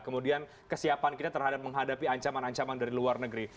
kemudian kesiapan kita terhadap menghadapi ancaman ancaman dari luar negeri